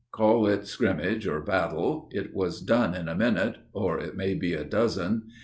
Call it scrimmage or battle, It was done in a minute, or it may be a dozen.